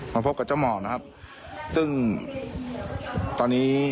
พบกับเจ้าหมอกนะครับซึ่งตอนนี้